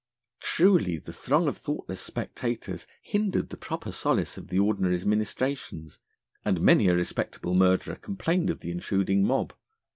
Truly, the throng of thoughtless spectators hindered the proper solace of the Ordinary's ministrations, and many a respectable murderer complained of the intruding mob.